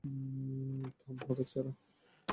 থাম, হতচ্ছাড়া।